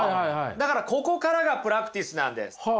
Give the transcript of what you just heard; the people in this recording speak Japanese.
だからここからがプラクティスなんです。